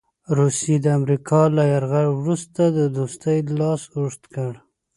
روسیې د امریکا له یرغل وروسته د دوستۍ لاس اوږد کړ.